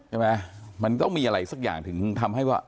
ใช่ไหมมันต้องมีอะไรสักอย่างถึงทำให้ว่า